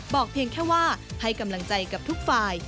เพียงแค่ว่าให้กำลังใจกับทุกฝ่าย